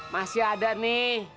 masih ada nih